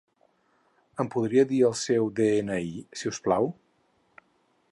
Em podria dir el seu de-ena-i si us plau?